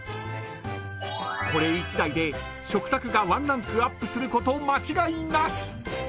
［これ１台で食卓がワンランクアップすること間違いなし］